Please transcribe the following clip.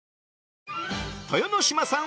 豊ノ島さん